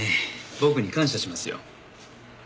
僕に感謝しますよ。